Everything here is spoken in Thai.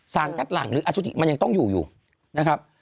คัดหลังหรืออสุจิมันยังต้องอยู่อยู่นะครับ